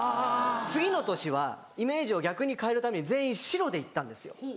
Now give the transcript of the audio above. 次の年はイメージを逆に変えるために全員白で行ったんですよ。